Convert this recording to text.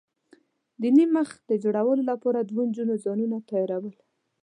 د نیم مخي د جوړولو لپاره دوو نجونو ځانونه تیاراول.